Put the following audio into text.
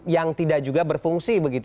yang tidak juga berfungsi begitu